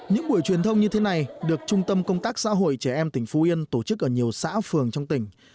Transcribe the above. những buổi truyền thông như thế này được trung tâm công tác xã hội trẻ em tỉnh phú yên tổ chức ở nhiều xã phường trong tỉnh